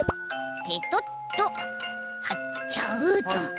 ペトッとはっちゃうと。